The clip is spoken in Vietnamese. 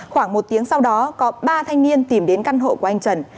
khoảng một tiếng sau đó có ba thanh niên tìm đến căn hộ của anh trần